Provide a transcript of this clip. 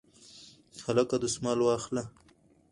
هلکه دستمال واخله